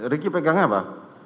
riki pegangnya apa